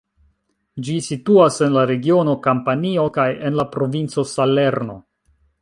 Ĝi situas en la regiono Kampanio kaj en la provinco Salerno.